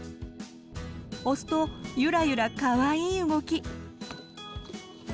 押すとユラユラかわいい動き！